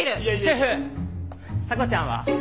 シェフ査子ちゃんは？